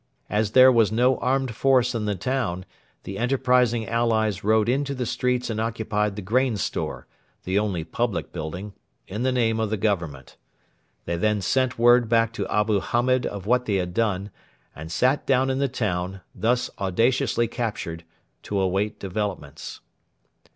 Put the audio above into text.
As there was no armed force in the town, the enterprising allies rode into the streets and occupied the grain store the only public building in the name of the Government. They then sent word back to Abu Hamed of what they had done, and sat down in the town, thus audaciously captured, to await developments.